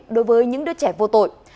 đối với những đứa trẻ vô tội